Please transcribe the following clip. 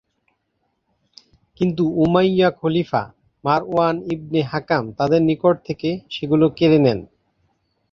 কিন্তু উমাইয় খলিফা মারওয়ান ইবনে হাকাম তাদের নিকট থেকে সেগুলো কেড়ে নেন।